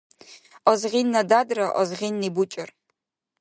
Азгъинна дядра азгъинни бучӀар.